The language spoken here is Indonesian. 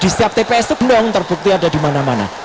di setiap tps itu belum terbukti ada di mana mana